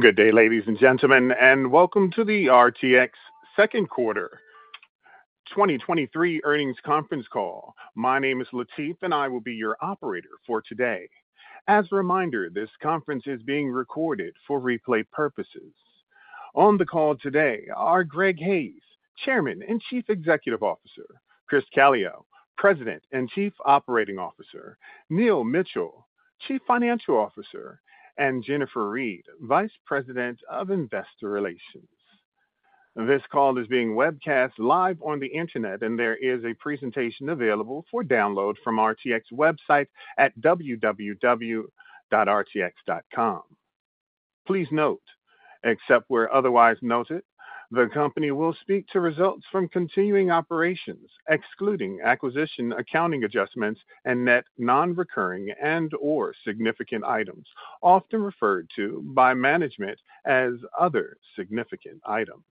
Good day, ladies and gentlemen. Welcome to the RTX Second Quarter 2023 Earnings Conference Call. My name is Latif. I will be your operator for today. As a reminder, this conference is being recorded for replay purposes. On the call today are Greg Hayes, Chairman and Chief Executive Officer, Chris Calio, President and Chief Operating Officer, Neil Mitchill, Chief Financial Officer, and Jennifer Reed, Vice President of Investor Relations. This call is being webcast live on the Internet. There is a presentation available for download from RTX website at www.rtx.com. Please note, except where otherwise noted, the company will speak to results from continuing operations, excluding acquisition, accounting adjustments, and net non-recurring and/or significant items, often referred to by management as other significant items.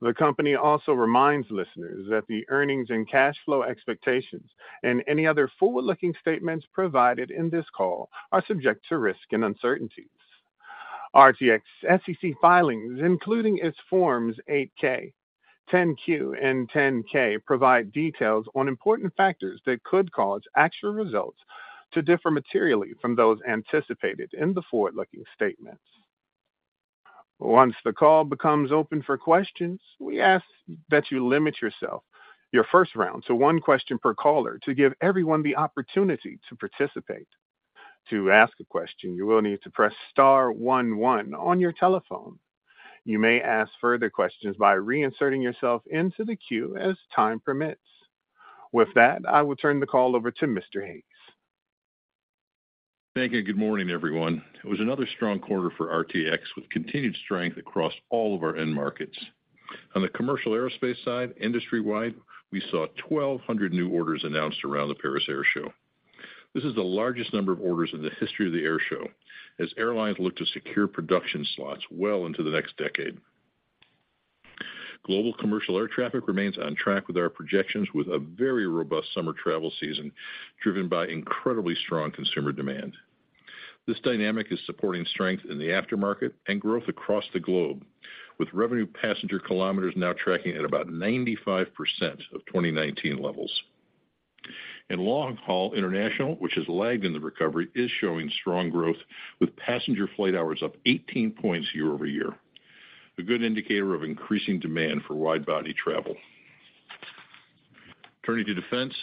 The company also reminds listeners that the earnings and cash flow expectations and any other forward-looking statements provided in this call are subject to risk and uncertainties. RTX SEC filings, including its Forms 8-K, 10-Q, and 10-K, provide details on important factors that could cause actual results to differ materially from those anticipated in the forward-looking statements. Once the call becomes open for questions, we ask that you limit yourself, your first round to one question per caller to give everyone the opportunity to participate. To ask a question, you will need to press Star one on your telephone. You may ask further questions by reinserting yourself into the queue as time permits. I will turn the call over to Mr. Hayes. Thank you. Good morning, everyone. It was another strong quarter for RTX, with continued strength across all of our end markets. The commercial aerospace side, industry-wide, we saw 1,200 new orders announced around the Paris Air Show. This is the largest number of orders in the history of the air show, as airlines look to secure production slots well into the next decade. Global commercial air traffic remains on track with our projections, with a very robust summer travel season, driven by incredibly strong consumer demand. This dynamic is supporting strength in the aftermarket and growth across the globe, with revenue passenger kilometers now tracking at about 95% of 2019 levels. Long-haul international, which has lagged in the recovery, is showing strong growth, with passenger flight hours up 18 points year-over-year, a good indicator of increasing demand for widebody travel. Turning to defense,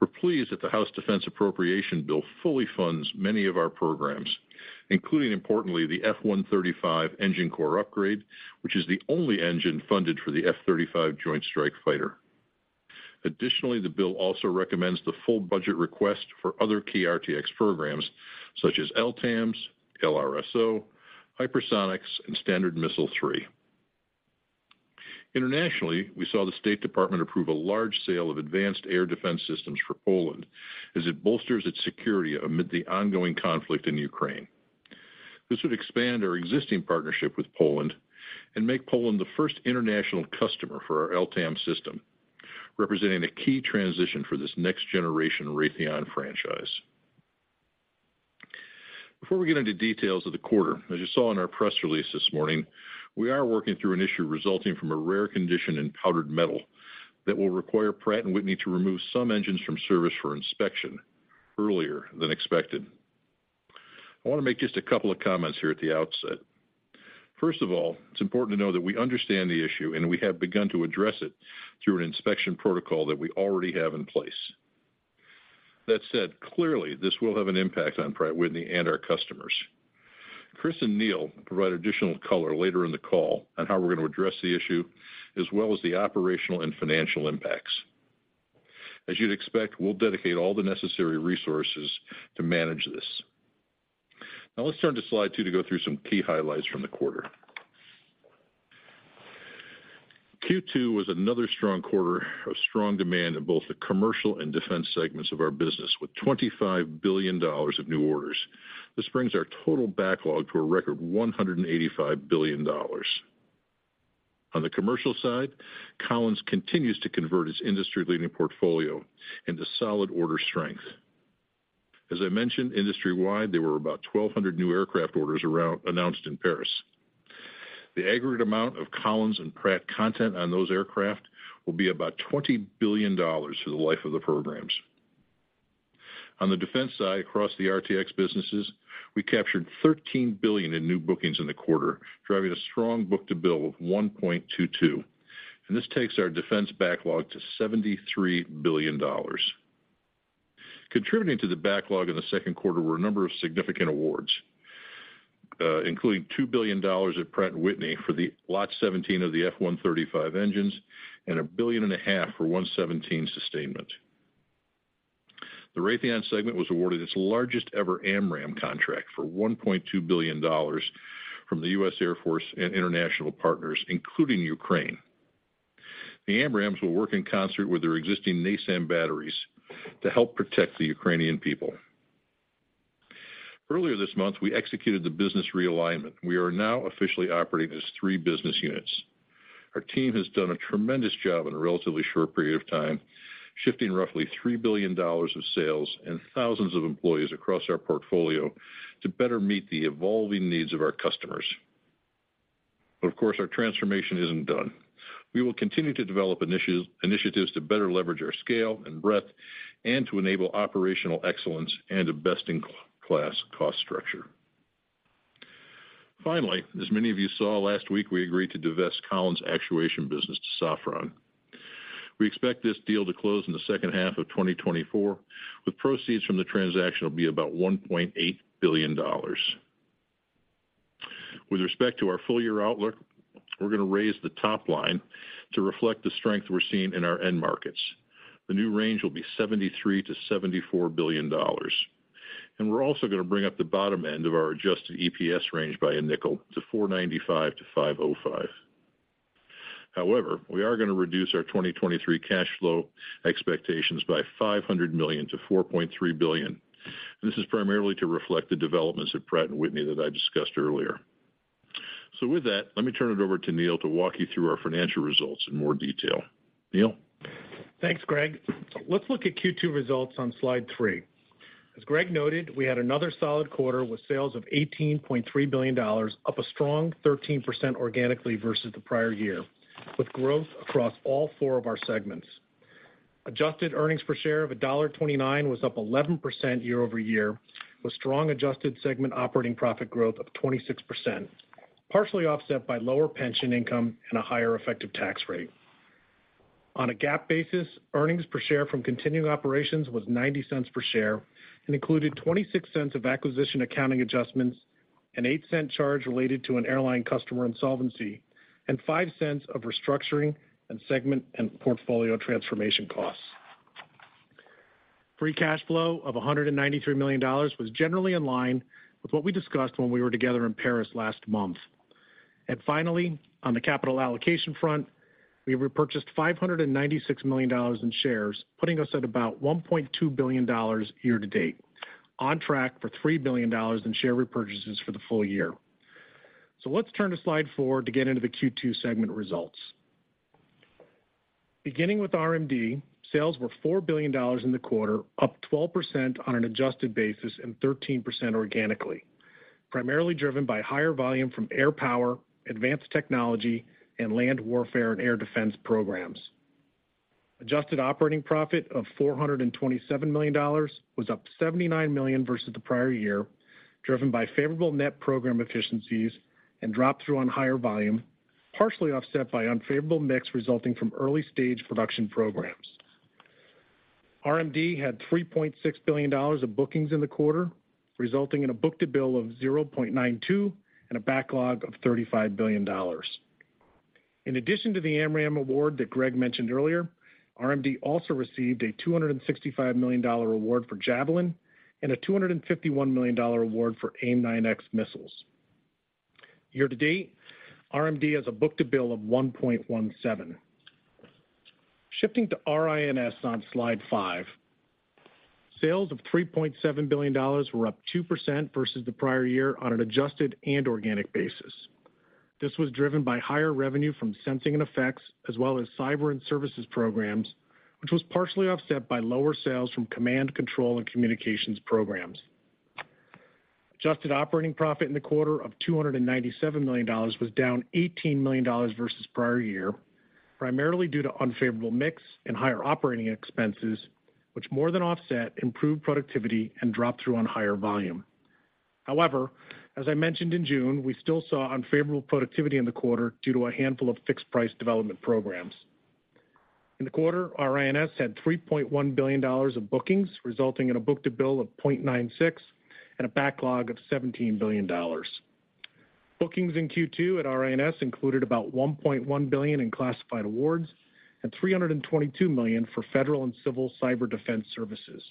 we're pleased that the House Defense Appropriations bill fully funds many of our programs, including, importantly, the F135 engine core upgrade, which is the only engine funded for the F-35 Joint Strike Fighter. Additionally, the bill also recommends the full budget request for other key RTX programs such as LTAMDS, LRSO, hypersonics, and Standard Missile-3. Internationally, we saw the State Department approve a large sale of advanced air defense systems for Poland as it bolsters its security amid the ongoing conflict in Ukraine. This would expand our existing partnership with Poland and make Poland the first international customer for our LTAMDS system, representing a key transition for this next-generation Raytheon franchise. Before we get into details of the quarter, as you saw in our press release this morning, we are working through an issue resulting from a rare condition in powdered metal that will require Pratt & Whitney to remove some engines from service for inspection earlier than expected. I want to make just a couple of comments here at the outset. First of all, it's important to know that we understand the issue, and we have begun to address it through an inspection protocol that we already have in place. That said, clearly, this will have an impact on Pratt & Whitney and our customers. Chris and Neil will provide additional color later in the call on how we're going to address the issue, as well as the operational and financial impacts. As you'd expect, we'll dedicate all the necessary resources to manage this. Now let's turn to Slide 2 to go through some key highlights from the quarter. Q2 was another strong quarter of strong demand in both the commercial and defense segments of our business, with $25 billion of new orders. This brings our total backlog to a record $185 billion. On the commercial side, Collins continues to convert its industry-leading portfolio into solid order strength. As I mentioned, industry-wide, there were about 1,200 new aircraft orders announced in Paris. The aggregate amount of Collins and Pratt content on those aircraft will be about $20 billion for the life of the programs. On the defense side, across the RTX businesses, we captured $13 billion in new bookings in the quarter, driving a strong book-to-bill of 1.22, and this takes our defense backlog to $73 billion. Contributing to the backlog in the second quarter were a number of significant awards, including $2 billion at Pratt & Whitney for the Lot 17 of the F135 engines and $1.5 billion for 117 sustainment. The Raytheon segment was awarded its largest-ever AMRAAM contract for $1.2 billion from the US Air Force and international partners, including Ukraine. The AMRAAMs will work in concert with their existing NASAMS batteries to help protect the Ukrainian people. Earlier this month, we executed the business realignment. We are now officially operating as three business units. Our team has done a tremendous job in a relatively short period of time, shifting roughly $3 billion of sales and thousands of employees across our portfolio to better meet the evolving needs of our customers. Of course, our transformation isn't done. We will continue to develop initiatives to better leverage our scale and breadth, and to enable operational excellence and a best-in-class cost structure. Finally, as many of you saw last week, we agreed to divest Collins Actuation business to Safran. We expect this deal to close in the second half of 2024, with proceeds from the transaction will be about $1.8 billion. With respect to our full-year outlook, we're going to raise the top line to reflect the strength we're seeing in our end markets. The new range will be $73 billion-$74 billion, and we're also going to bring up the bottom end of our adjusted EPS range by a nickel to $4.95-$5.05. We are going to reduce our 2023 cash flow expectations by $500 million to $4.3 billion. This is primarily to reflect the developments at Pratt & Whitney that I discussed earlier. With that, let me turn it over to Neil to walk you through our financial results in more detail. Neil? Thanks, Greg. Let's look at Q2 results on Slide 3. As Greg noted, we had another solid quarter with sales of $18.3 billion, up a strong 13% organically versus the prior year, with growth across all 4 of our segments. Adjusted earnings per share of $1.29 was up 11% year-over-year, with strong adjusted segment operating profit growth of 26%, partially offset by lower pension income and a higher effective tax rate. On a GAAP basis, earnings per share from continuing operations was $0.90 per share and included $0.26 of acquisition accounting adjustments, an $0.08 charge related to an airline customer insolvency, and $0.05 of restructuring and segment and portfolio transformation costs. Free cash flow of $193 million was generally in line with what we discussed when we were together in Paris last month. Finally, on the capital allocation front, we repurchased $596 million in shares, putting us at about $1.2 billion year to date, on track for $3 billion in share repurchases for the full year. Let's turn to Slide 4 to get into the Q2 segment results. Beginning with RMD, sales were $4 billion in the quarter, up 12% on an adjusted basis and 13% organically, primarily driven by higher volume from air power, advanced technology, and land warfare and air defense programs. Adjusted operating profit of $427 million was up $79 million versus the prior year, driven by favorable net program efficiencies and drop-through on higher volume, partially offset by unfavorable mix resulting from early-stage production programs. RMD had $3.6 billion of bookings in the quarter, resulting in a book-to-bill of 0.92 and a backlog of $35 billion. In addition to the AMRAAM award that Greg mentioned earlier, RMD also received a $265 million award for Javelin and a $251 million award for AIM-9X missiles. Year to date, RMD has a book-to-bill of 1.17. Shifting to RIS on Slide 5. Sales of $3.7 billion were up 2% versus the prior year on an adjusted and organic basis. This was driven by higher revenue from sensing and effects, as well as cyber and services programs, which was partially offset by lower sales from command, control, and communications programs. Adjusted operating profit in the quarter of $297 million was down $18 million versus prior year, primarily due to unfavorable mix and higher operating expenses, which more than offset improved productivity and drop through on higher volume. However, as I mentioned in June, we still saw unfavorable productivity in the quarter due to a handful of fixed-price development programs. In the quarter, RIS had $3.1 billion of bookings, resulting in a book-to-bill of 0.96 and a backlog of $17 billion. Bookings in Q2 at RIS included about $1.1 billion in classified awards and $322 million for federal and civil cyber defense services.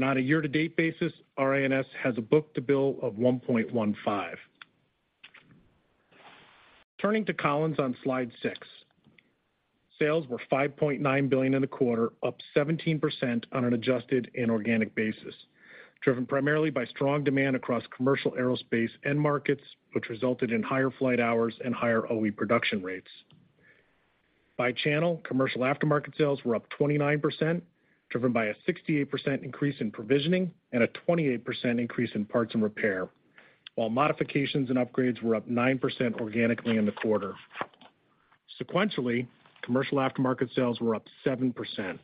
On a year-to-date basis, RIS has a book-to-bill of 1.15. Turning to Collins on Slide 6. Sales were $5.9 billion in the quarter, up 17% on an adjusted and organic basis, driven primarily by strong demand across commercial aerospace end markets, which resulted in higher flight hours and higher OE production rates. By channel, commercial aftermarket sales were up 29%, driven by a 68% increase in provisioning and a 28% increase in parts and repair, while modifications and upgrades were up 9% organically in the quarter. Sequentially, commercial aftermarket sales were up 7%.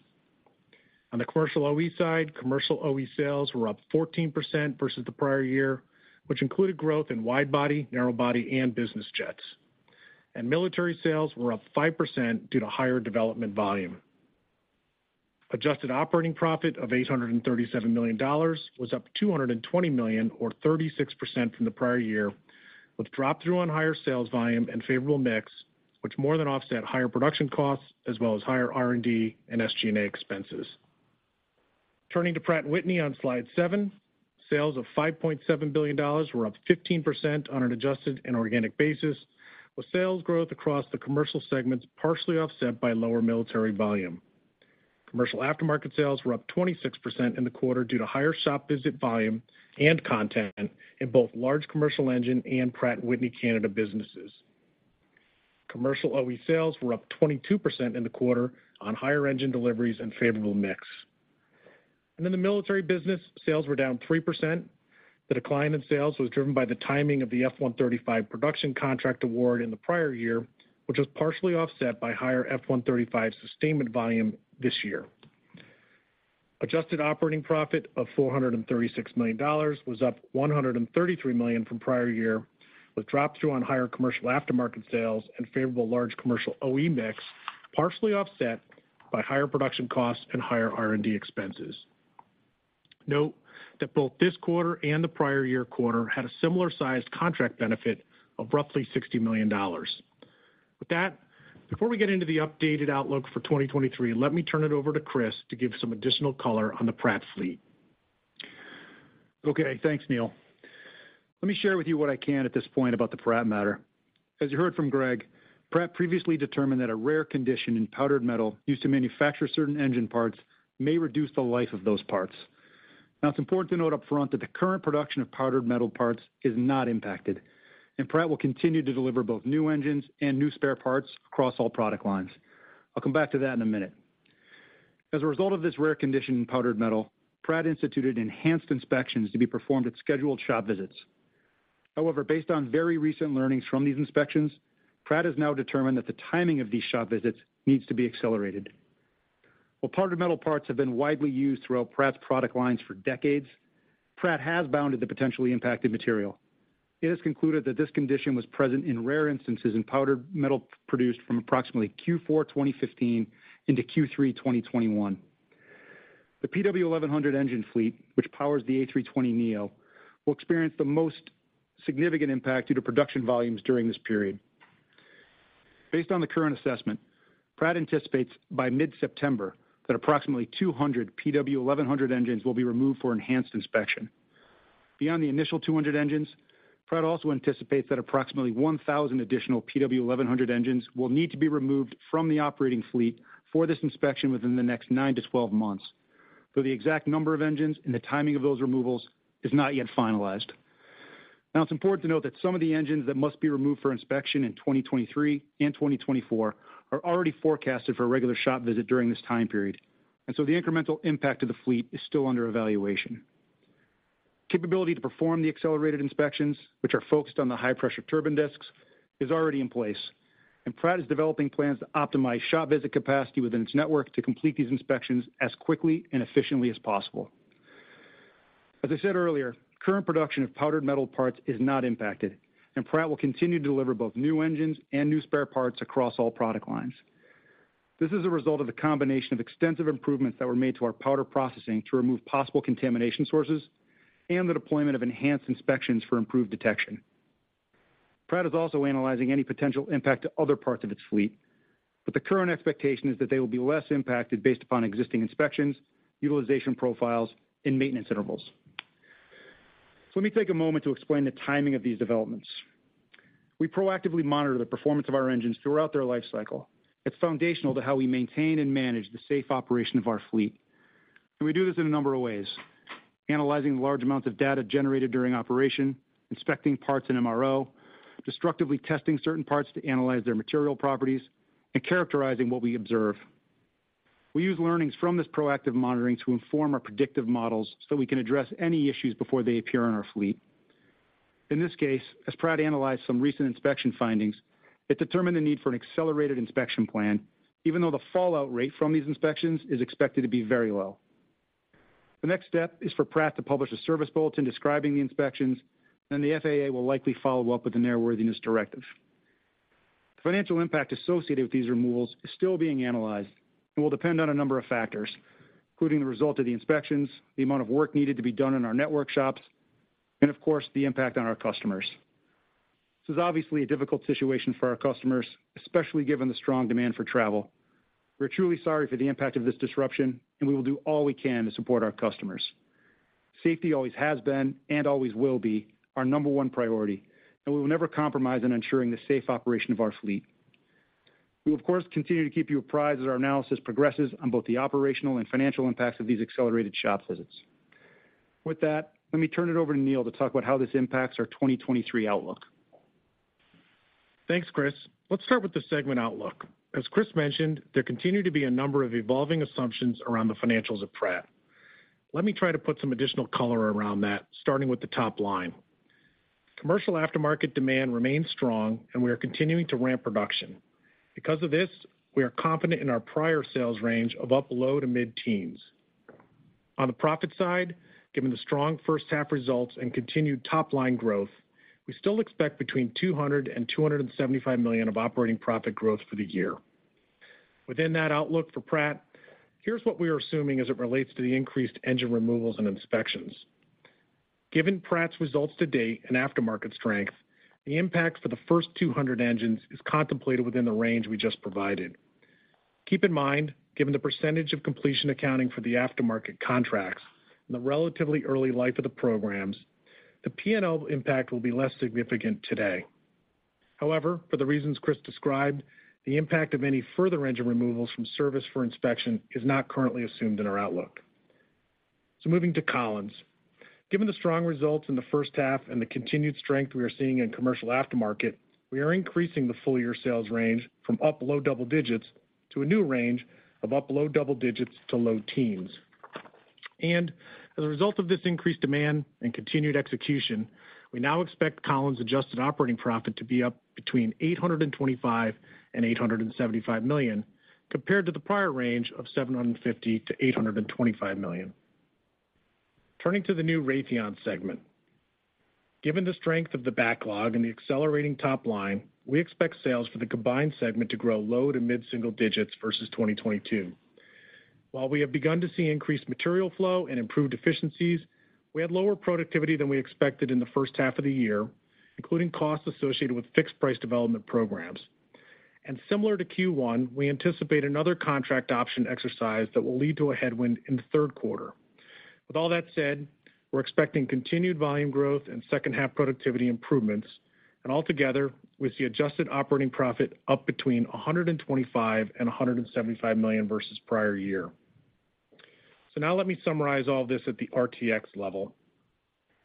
The commercial OE side, commercial OE sales were up 14% versus the prior year, which included growth in wide body, narrow body, and business jets. Military sales were up 5% due to higher development volume. Adjusted operating profit of $837 million was up $220 million, or 36% from the prior year, with drop through on higher sales volume and favorable mix, which more than offset higher production costs as well as higher R&D and SG&A expenses. Turning to Pratt & Whitney on Slide 7, sales of $5.7 billion were up 15% on an adjusted and organic basis, with sales growth across the commercial segments partially offset by lower military volume. Commercial aftermarket sales were up 26% in the quarter due to higher shop visit volume and content in both large commercial engine and Pratt & Whitney Canada businesses. Commercial OE sales were up 22% in the quarter on higher engine deliveries and favorable mix. In the military business, sales were down 3%. The decline in sales was driven by the timing of the F135 production contract award in the prior year, which was partially offset by higher F135 sustainment volume this year. Adjusted operating profit of $436 million was up $133 million from prior year, with drop through on higher commercial aftermarket sales and favorable large commercial OE mix, partially offset by higher production costs and higher R&D expenses. Note that both this quarter and the prior year quarter had a similar-sized contract benefit of roughly $60 million. With that, before we get into the updated outlook for 2023, let me turn it over to Chris to give some additional color on the Pratt fleet. Okay, thanks, Neil. Let me share with you what I can at this point about the Pratt matter. As you heard from Greg, Pratt previously determined that a rare condition in powder metal used to manufacture certain engine parts may reduce the life of those parts. Now, it's important to note up front that the current production of powder metal parts is not impacted, and Pratt will continue to deliver both new engines and new spare parts across all product lines. I'll come back to that in a minute. As a result of this rare condition in powder metal, Pratt instituted enhanced inspections to be performed at scheduled shop visits. However, based on very recent learnings from these inspections, Pratt has now determined that the timing of these shop visits needs to be accelerated. While powder metal parts have been widely used throughout Pratt's product lines for decades, Pratt has bounded the potentially impacted material. It has concluded that this condition was present in rare instances in powder metal produced from approximately Q4 2015 into Q3 2021. The PW1100G engine fleet, which powers the A320neo, will experience the most significant impact due to production volumes during this period. Based on the current assessment, Pratt anticipates by mid-September that approximately 200 PW1100G engines will be removed for enhanced inspection. Beyond the initial 200 engines, Pratt also anticipates that approximately 1,000 additional PW1100G engines will need to be removed from the operating fleet for this inspection within the next nine to 12 months, though the exact number of engines and the timing of those removals is not yet finalized. It's important to note that some of the engines that must be removed for inspection in 2023 and 2024 are already forecasted for a regular shop visit during this time period, the incremental impact of the fleet is still under evaluation. Capability to perform the accelerated inspections, which are focused on the high-pressure turbine disks, is already in place, Pratt is developing plans to optimize shop visit capacity within its network to complete these inspections as quickly and efficiently as possible. As I said earlier, current production of powder metal parts is not impacted, Pratt will continue to deliver both new engines and new spare parts across all product lines. This is a result of the combination of extensive improvements that were made to our powder processing to remove possible contamination sources and the deployment of enhanced inspections for improved detection. Pratt & Whitney is also analyzing any potential impact to other parts of its fleet, the current expectation is that they will be less impacted based upon existing inspections, utilization profiles, and maintenance intervals. Let me take a moment to explain the timing of these developments. We proactively monitor the performance of our engines throughout their lifecycle. It's foundational to how we maintain and manage the safe operation of our fleet, we do this in a number of ways: analyzing large amounts of data generated during operation, inspecting parts in MRO, destructively testing certain parts to analyze their material properties, and characterizing what we observe. We use learnings from this proactive monitoring to inform our predictive models we can address any issues before they appear in our fleet. In this case, as Pratt analyzed some recent inspection findings, it determined the need for an accelerated inspection plan, even though the fallout rate from these inspections is expected to be very low. The next step is for Pratt to publish a service bulletin describing the inspections, and the FAA will likely follow up with an airworthiness directive. The financial impact associated with these removals is still being analyzed and will depend on a number of factors, including the result of the inspections, the amount of work needed to be done in our network shops, and of course, the impact on our customers. This is obviously a difficult situation for our customers, especially given the strong demand for travel. We're truly sorry for the impact of this disruption, and we will do all we can to support our customers. Safety always has been and always will be our number one priority, and we will never compromise on ensuring the safe operation of our fleet. We, of course, continue to keep you apprised as our analysis progresses on both the operational and financial impacts of these accelerated shop visits. With that, let me turn it over to Neil to talk about how this impacts our 2023 outlook. Thanks, Chris. Let's start with the segment outlook. As Chris mentioned, there continue to be a number of evolving assumptions around the financials of Pratt. Let me try to put some additional color around that, starting with the top line. Commercial aftermarket demand remains strong, and we are continuing to ramp production. Because of this, we are confident in our prior sales range of up low to mid-teens. On the profit side, given the strong first half results and continued top-line growth, we still expect between $200 million and $275 million of operating profit growth for the year. Within that outlook for Pratt, here's what we are assuming as it relates to the increased engine removals and inspections. Given Pratt's results to date and aftermarket strength, the impact for the first 200 engines is contemplated within the range we just provided. Keep in mind, given the percentage of completion accounting for the aftermarket contracts and the relatively early life of the programs, the P&L impact will be less significant today. However, for the reasons Chris described, the impact of any further engine removals from service for inspection is not currently assumed in our outlook. Moving to Collins. Given the strong results in the first half and the continued strength we are seeing in commercial aftermarket, we are increasing the full-year sales range from up low double digits to a new range of up low double digits to low teens. As a result of this increased demand and continued execution, we now expect Collins' adjusted operating profit to be up between $825 million and $875 million, compared to the prior range of $750 million-$825 million. Turning to the new Raytheon segment. Given the strength of the backlog and the accelerating top line, we expect sales for the combined segment to grow low to mid single digits versus 2022. While we have begun to see increased material flow and improved efficiencies, we had lower productivity than we expected in the first half of the year, including costs associated with fixed price development programs. Similar to Q1, we anticipate another contract option exercise that will lead to a headwind in the third quarter. With all that said, we're expecting continued volume growth and second-half productivity improvements, and altogether, with the adjusted operating profit up between $125 million and $175 million versus prior year. Now let me summarize all this at the RTX level.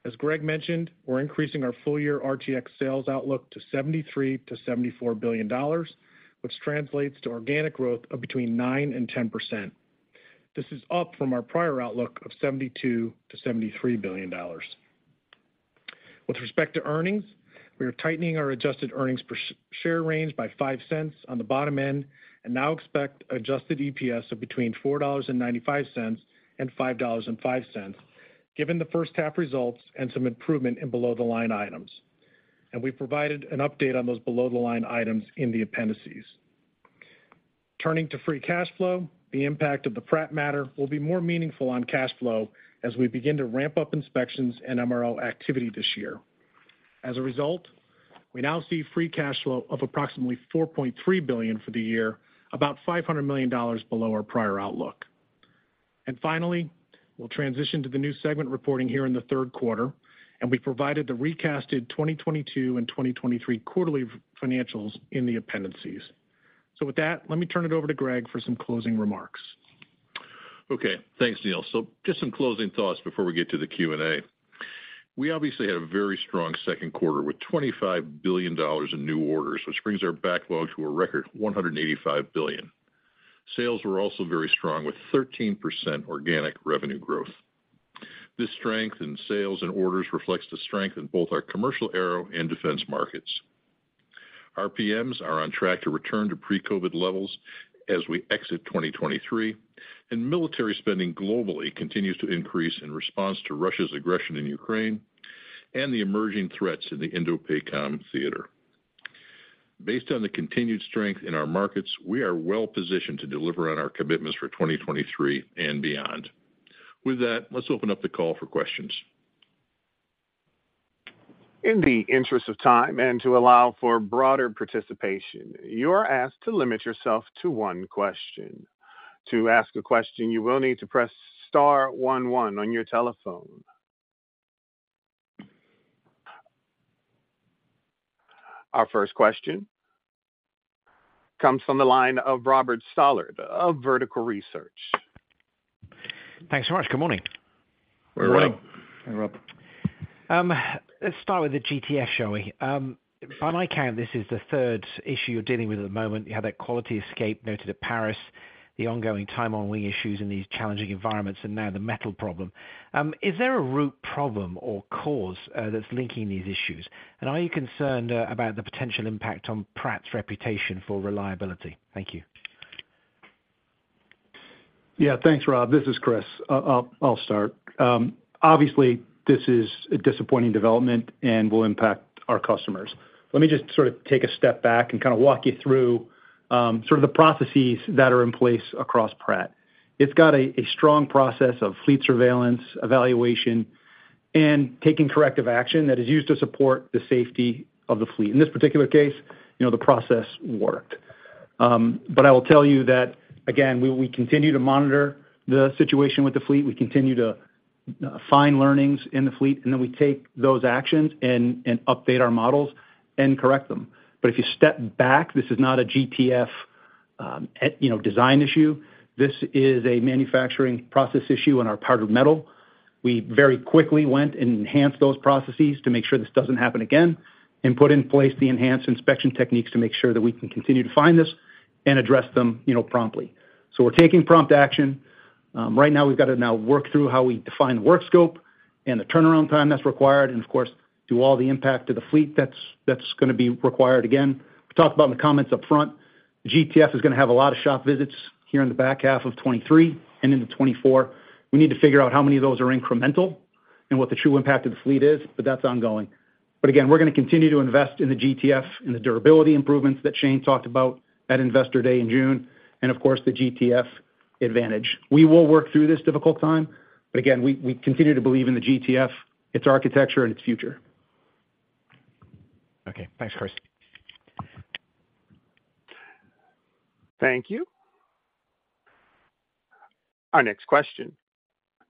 As Greg mentioned, we're increasing our full-year RTX sales outlook to $73 billion-$74 billion, which translates to organic growth of between 9% and 10%. This is up from our prior outlook of $72 billion-$73 billion. With respect to earnings, we are tightening our adjusted earnings per share range by $0.05 on the bottom end, and now expect adjusted EPS of between $4.95 and $5.05, given the first half results and some improvement in below-the-line items. We provided an update on those below-the-line items in the appendices. Turning to free cash flow, the impact of the Pratt matter will be more meaningful on cash flow as we begin to ramp up inspections and MRO activity this year. As a result, we now see free cash flow of approximately $4.3 billion for the year, about $500 million below our prior outlook. Finally, we'll transition to the new segment reporting here in the third quarter, and we provided the recasted 2022 and 2023 quarterly financials in the appendices. With that, let me turn it over to Greg for some closing remarks. Okay, thanks, Neil. Just some closing thoughts before we get to the Q&A. We obviously had a very strong second quarter with $25 billion in new orders, which brings our backlog to a record $185 billion. Sales were also very strong, with 13% organic revenue growth. This strength in sales and orders reflects the strength in both our commercial aero and defense markets. RPMs are on track to return to pre-COVID levels as we exit 2023, and military spending globally continues to increase in response to Russia's aggression in Ukraine and the emerging threats in the INDOPACOM theater. Based on the continued strength in our markets, we are well positioned to deliver on our commitments for 2023 and beyond. With that, let's open up the call for questions. In the interest of time and to allow for broader participation, you are asked to limit yourself to 1 question. To ask a question, you will need to press Star one on your telephone. Our first question comes from the line of Robert Stallard of Vertical Research. Thanks so much. Good morning. Good morning. Hey, Rob. Let's start with the GTF, shall we? By my count, this is the third issue you're dealing with at the moment. You had that quality escape noted at Paris, the ongoing time on wing issues in these challenging environments, and now the metal problem. Is there a root problem or cause that's linking these issues? Are you concerned about the potential impact on Pratt's reputation for reliability? Thank you. Yeah, thanks, Rob. This is Chris. I'll start. Obviously, this is a disappointing development and will impact our customers. Let me just sort of take a step back and kind of walk you through sort of the processes that are in place across Pratt. It's got a strong process of fleet surveillance, evaluation, and taking corrective action that is used to support the safety of the fleet. In this particular case, you know, the process worked. I will tell you that, again, we continue to monitor the situation with the fleet, we continue to find learnings in the fleet, and then we take those actions and update our models and correct them. If you step back, this is not a GTF, you know, design issue. This is a manufacturing process issue in our powder metal. We very quickly went and enhanced those processes to make sure this doesn't happen again, and put in place the enhanced inspection techniques to make sure that we can continue to find this and address them, you know, promptly. We're taking prompt action. Right now we've got to now work through how we define the work scope and the turnaround time that's required, and of course, do all the impact to the fleet that's gonna be required again. We talked about in the comments up front, GTF is gonna have a lot of shop visits here in the back half of 2023 and into 2024. We need to figure out how many of those are incremental and what the true impact of the fleet is, but that's ongoing. Again, we're going to continue to invest in the GTF and the durability improvements that Shane talked about at Investor Day in June, and of course, the GTF Advantage. We will work through this difficult time, but again, we continue to believe in the GTF, its architecture and its future. Okay. Thanks, Chris. Thank you. Our next question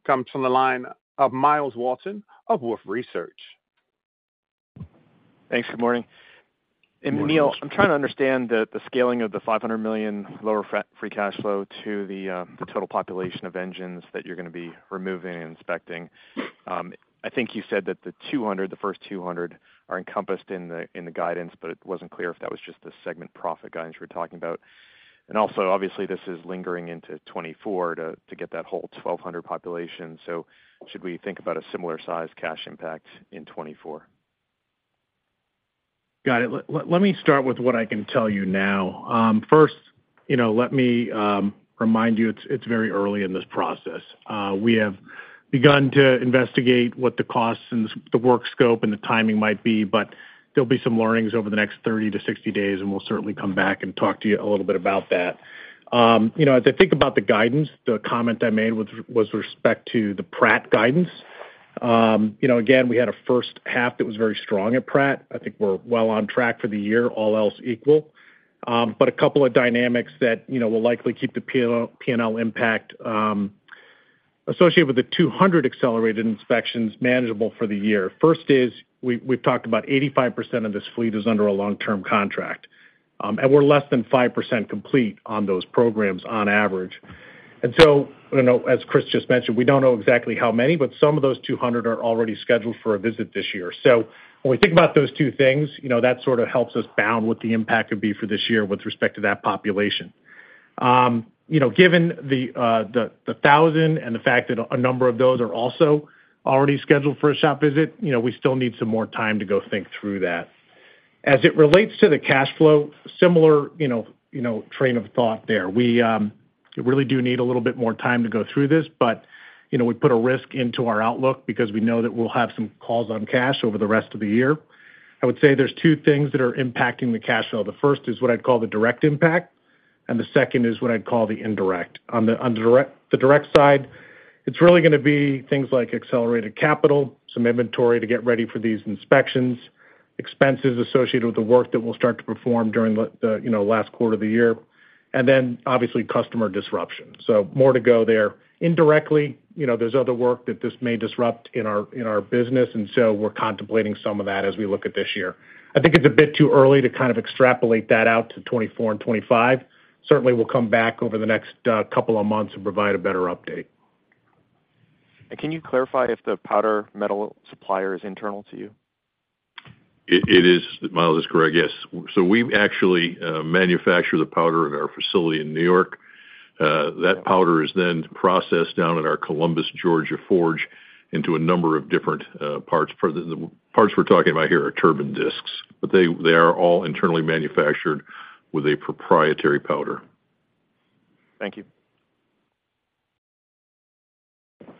comes from the line of Myles Walton of Wolfe Research. Thanks. Good morning. Neil, I'm trying to understand the scaling of the $500 million lower free cash flow to the total population of engines that you're going to be removing and inspecting. I think you said that the first 200 are encompassed in the guidance, but it wasn't clear if that was just the segment profit guidance we're talking about. Also, obviously, this is lingering into 2024 to get that whole 1,200 population. Should we think about a similar size cash impact in 2024? Got it. Let me start with what I can tell you now. First, you know, let me remind you, it's very early in this process. We have begun to investigate what the costs and the work scope and the timing might be, but there'll be some learnings over the next 30 to 60 days, and we'll certainly come back and talk to you a little bit about that. You know, if I think about the guidance, the comment I made was with respect to the Pratt guidance. You know, again, we had a first half that was very strong at Pratt. I think we're well on track for the year, all else equal. A couple of dynamics that, you know, will likely keep the P&L impact associated with the 200 accelerated inspections manageable for the year. First is, we've talked about 85% of this fleet is under a long-term contract, and we're less than 5% complete on those programs on average. You know, as Chris just mentioned, we don't know exactly how many, but some of those 200 are already scheduled for a visit this year. When we think about those two things, you know, that sort of helps us bound what the impact would be for this year with respect to that population. You know, given the 1,000 and the fact that a number of those are also already scheduled for a shop visit, you know, we still need some more time to go think through that. As it relates to the cash flow, similar, you know, train of thought there. We really do need a little bit more time to go through this. You know, we put a risk into our outlook because we know that we'll have some calls on cash over the rest of the year. I would say there's two things that are impacting the cash flow. The first is what I'd call the direct impact, and the second is what I'd call the indirect. On the direct side, it's really going to be things like accelerated capital, some inventory to get ready for these inspections, expenses associated with the work that we'll start to perform during the last quarter of the year. Obviously customer disruption. More to go there. Indirectly, you know, there's other work that this may disrupt in our, in our business, and so we're contemplating some of that as we look at this year. I think it's a bit too early to kind of extrapolate that out to 2024 and 2025. Certainly, we'll come back over the next couple of months and provide a better update. Can you clarify if the powder metal supplier is internal to you? It is. Myles, that's correct, yes. We actually manufacture the powder at our facility in New York. That powder is then processed down in our Columbus, Georgia, forge into a number of different parts. The parts we're talking about here are turbine discs, but they are all internally manufactured with a proprietary powder. Thank you.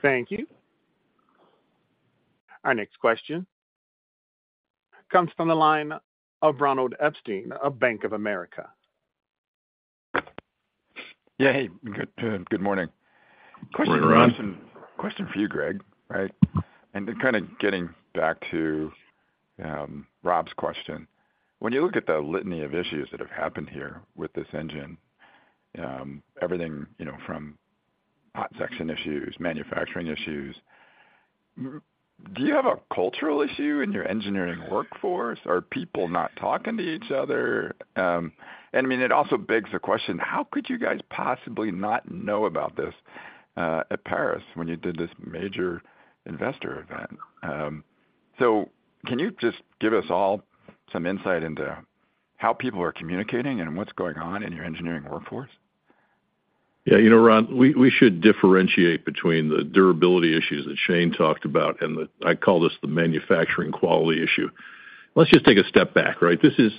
Thank you. Our next question comes from the line of Ronald Epstein of Bank of America. Yeah, hey, good morning. Good morning, Ron. Question, question for you, Greg. Right, kind of getting back to Rob's question. When you look at the litany of issues that have happened here with this engine, everything, you know, from hot section issues, manufacturing issues, do you have a cultural issue in your engineering workforce? Are people not talking to each other? I mean, it also begs the question, how could you guys possibly not know about this at Paris when you did this major Investor Day? Can you just give us all some insight into how people are communicating and what's going on in your engineering workforce? Yeah, you know, Ron, we should differentiate between the durability issues that Shane talked about and the, I call this the manufacturing quality issue. Let's just take a step back, right? This is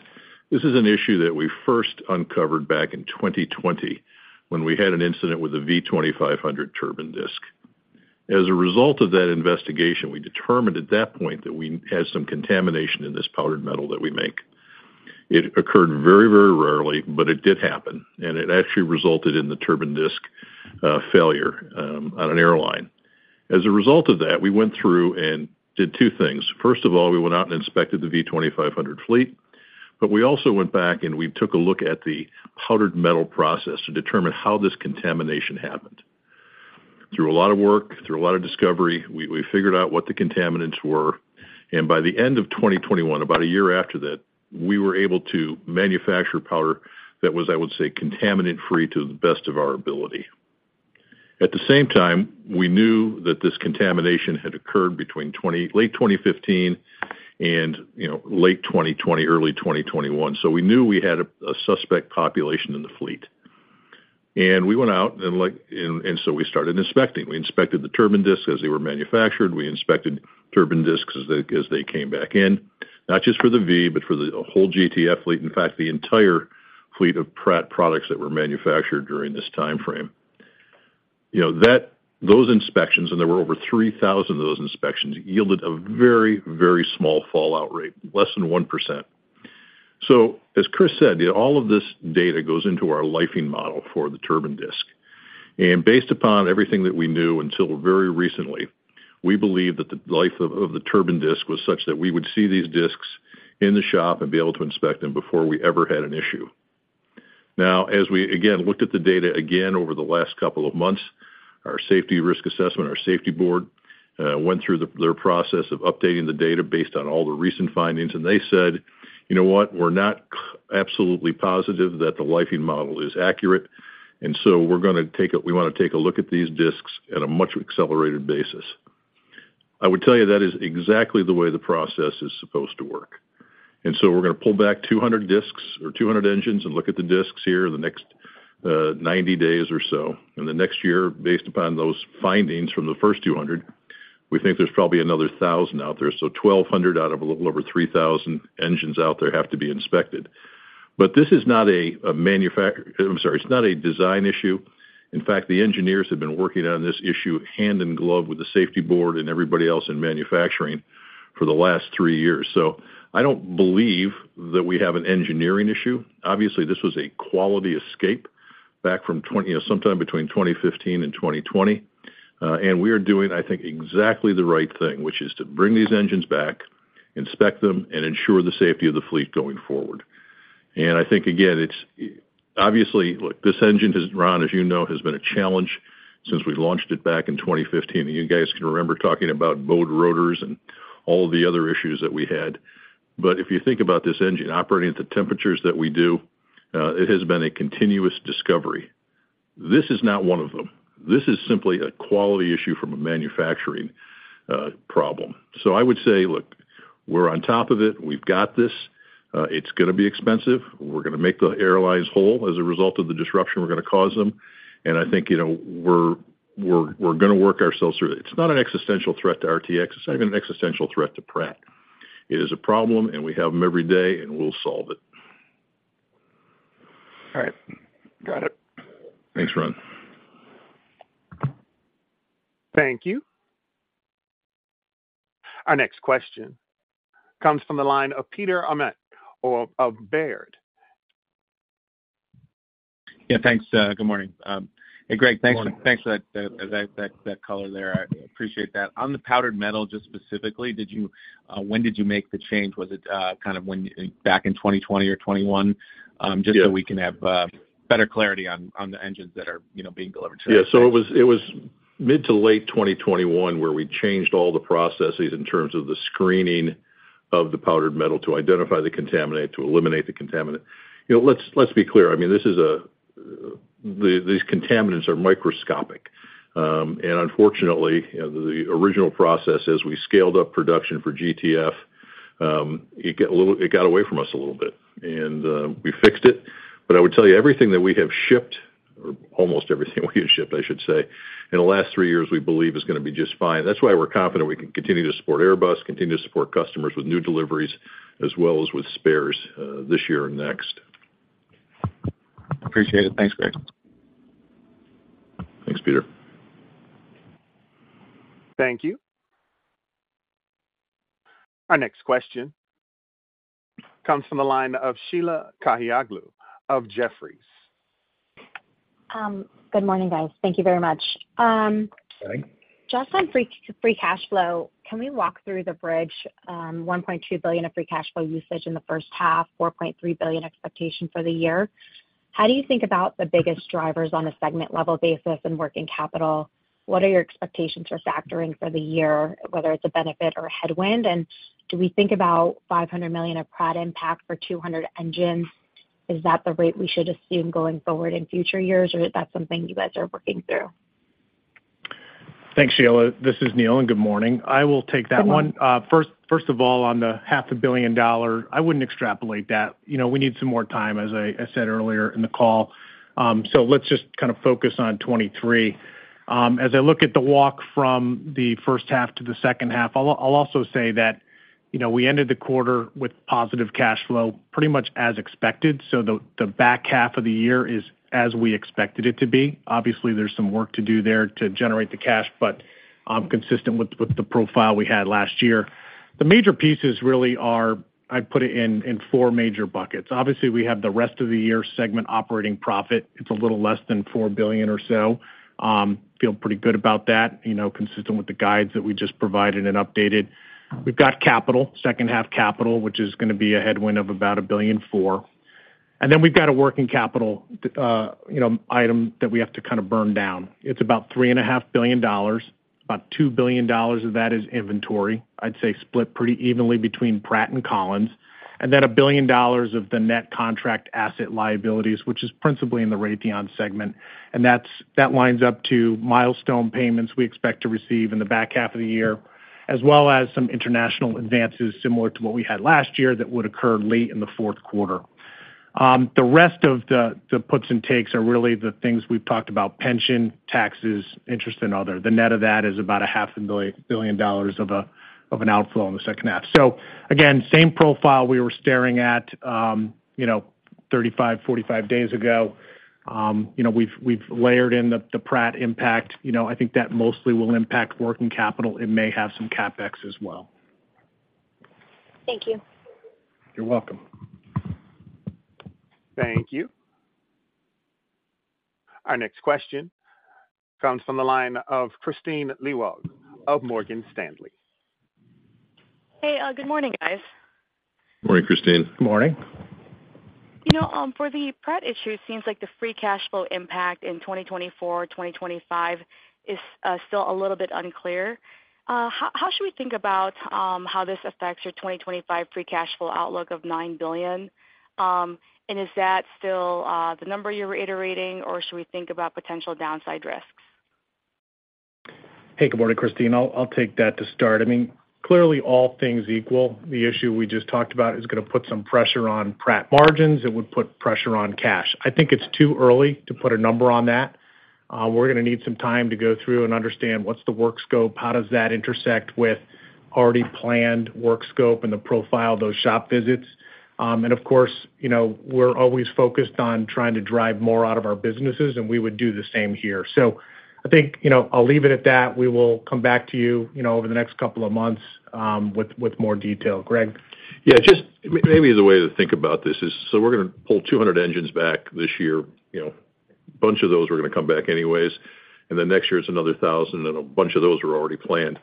an issue that we first uncovered back in 2020 when we had an incident with a V2500 turbine disk. As a result of that investigation, we determined at that point that we had some contamination in this powder metal that we make. It occurred very, very rarely, but it did happen, and it actually resulted in the turbine disk failure on an airline. As a result of that, we went through and did two things. First of all, we went out and inspected the V2500 fleet, but we also went back and we took a look at the powder metal process to determine how this contamination happened. Through a lot of work, through a lot of discovery, we figured out what the contaminants were, and by the end of 2021, about a year after that, we were able to manufacture powder that was, I would say, contaminant-free to the best of our ability. At the same time, we knew that this contamination had occurred between late 2015 and, you know, late 2020, early 2021. We knew we had a suspect population in the fleet. We went out. So we started inspecting. We inspected the turbine discs as they were manufactured. We inspected turbine discs as they, as they came back in, not just for the V, but for the whole GTF fleet, in fact, the entire fleet of Pratt products that were manufactured during this time frame. You know, that, those inspections, and there were over 3,000 of those inspections, yielded a very, very small fallout rate, less than 1%. As Chris said, all of this data goes into our lifing model for the turbine disk. Based upon everything that we knew until very recently, we believe that the life of the turbine disk was such that we would see these disks in the shop and be able to inspect them before we ever had an issue. Now, as we again, looked at the data again over the last couple of months, our safety risk assessment, our safety board, went through their process of updating the data based on all the recent findings, and they said, "You know what? We're not absolutely positive that the lifing model is accurate, we wanna take a look at these disks at a much accelerated basis." I would tell you that is exactly the way the process is supposed to work. We're gonna pull back 200 disks or 200 engines and look at the disks here in the next 90 days or so. In the next year, based upon those findings from the first 200, we think there's probably another 1,000 out there. 1,200 out of a little over 3,000 engines out there have to be inspected. This is not a design issue. In fact, the engineers have been working on this issue hand in glove with the safety board and everybody else in manufacturing for the last three years. I don't believe that we have an engineering issue. Obviously, this was a quality escape back from sometime between 2015 and 2020. We are doing, I think, exactly the right thing, which is to bring these engines back, inspect them, and ensure the safety of the fleet going forward. I think, again, it's obviously, look, this engine, Ron, as you know, has been a challenge since we launched it back in 2015. You guys can remember talking about bowed rotors and all the other issues that we had. If you think about this engine operating at the temperatures that we do, it has been a continuous discovery. This is not one of them. This is simply a quality issue from a manufacturing problem. I would say, look, we're on top of it. We've got this, it's gonna be expensive. We're gonna make the airlines whole as a result of the disruption we're gonna cause them, and I think, you know, we're gonna work ourselves through it. It's not an existential threat to RTX. It's not even an existential threat to Pratt. It is a problem, and we have them every day, and we'll solve it. All right. Got it. Thanks, Ron. Thank you. Our next question comes from the line of Peter Arment of Baird. Yeah, thanks. good morning. hey, Greg, Thanks for that color there. I appreciate that. On the powder metal, just specifically, did you, when did you make the change? Was it kind of when back in 2020 or 2021? Yeah. Just so we can have better clarity on the engines that are, you know, being delivered to us. It was mid to late 2021, where we changed all the processes in terms of the screening of the powder metal to identify the contaminant, to eliminate the contaminant. You know, let's be clear, I mean, these contaminants are microscopic. Unfortunately, you know, the original process, as we scaled up production for GTF, it got away from us a little bit, and we fixed it. I would tell you, everything that we have shipped, or almost everything we have shipped, I should say, in the last three years, we believe is gonna be just fine. That's why we're confident we can continue to support Airbus, continue to support customers with new deliveries as well as with spares, this year and next. Appreciate it. Thanks, Greg. Thanks, Peter. Thank you. Our next question comes from the line of Sheila Kahyaoglu of Jefferies. Good morning, guys. Thank you very much. Sorry. Just on free cash flow, can we walk through the bridge, $1.2 billion of free cash flow usage in the first half, $4.3 billion expectation for the year? How do you think about the biggest drivers on a segment-level basis and working capital? What are your expectations for factoring for the year, whether it's a benefit or a headwind? Do we think about $500 million of Pratt impact for 200 engines? Is that the rate we should assume going forward in future years, or is that something you guys are working through? Thanks, Sheila. This is Neil, and good morning. Good morning. I will take that one. First of all, on the half a billion dollar, I wouldn't extrapolate that. You know, we need some more time, as I said earlier in the call. Let's just kind of focus on 2023. As I look at the walk from the first half to the second half, I'll also say that, you know, we ended the quarter with positive cash flow, pretty much as expected, the back half of the year is as we expected it to be. Obviously, there's some work to do there to generate the cash, consistent with the profile we had last year. The major pieces really are, I'd put it in four major buckets. Obviously, we have the rest of the year segment operating profit. It's a little less than $4 billion or so. Feel pretty good about that, you know, consistent with the guides that we just provided and updated. We've got capital, second half capital, which is gonna be a headwind of about $1.4 billion. We've got a working capital, you know, item that we have to kind of burn down. It's about $3.5 billion. About $2 billion of that is inventory. I'd say split pretty evenly between Pratt and Collins, and then $1 billion of the net contract asset liabilities, which is principally in the Raytheon segment. That lines up to milestone payments we expect to receive in the back half of the year, as well as some international advances similar to what we had last year, that would occur late in the fourth quarter. The rest of the puts and takes are really the things we've talked about, pension, taxes, interest and other. The net of that is about a half a billion dollars of an outflow in the second half. Again, same profile we were staring at, you know, 35, 45 days ago. You know, we've layered in the Pratt impact. You know, I think that mostly will impact working capital. It may have some CapEx as well. Thank you. You're welcome. Thank you. Our next question comes from the line of Kristine Liwag of Morgan Stanley. Hey, good morning, guys. Morning, Kristine. Good morning. You know, for the Pratt issue, it seems like the free cash flow impact in 2024, 2025 is still a little bit unclear. How should we think about how this affects your 2025 free cash flow outlook of $9 billion? Is that still the number you're reiterating, or should we think about potential downside risks? Hey, good morning, Kristine. I'll take that to start. I mean, clearly, all things equal, the issue we just talked about is gonna put some pressure on Pratt margins. It would put pressure on cash. I think it's too early to put a number on that. We're gonna need some time to go through and understand what's the work scope, how does that intersect with already planned work scope and the profile of those shop visits. Of course, you know, we're always focused on trying to drive more out of our businesses, and we would do the same here. I think, you know, I'll leave it at that. We will come back to you know, over the next couple of months, with more detail. Greg. Just maybe the way to think about this is, we're gonna pull 200 engines back this year. You know, a bunch of those were gonna come back anyways, next year, it's another 1,000, a bunch of those were already planned.